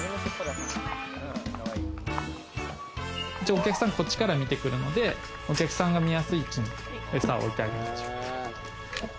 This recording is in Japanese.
お客さん、こっちから見てくるので、お客さんが見やすい位置にえさを置いてあげる。